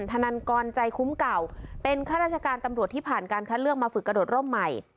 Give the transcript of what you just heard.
ธนันกรใจคุ้มเก่าเป็นข้าราชการตำรวจที่ผ่านการคัดเลือกมาฝึกกระโดดร่มใหม่